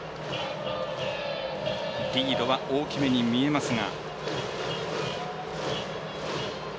リードは大きめに見えます。